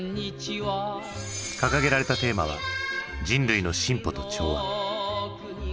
掲げられたテーマは「人類の進歩と調和」。